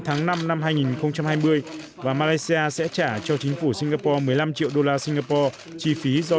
tháng năm năm hai nghìn hai mươi và malaysia sẽ trả cho chính phủ singapore một mươi năm triệu đô la singapore chi phí do